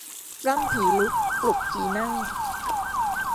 ปล้ำผีลุก ปลุกผีนั่ง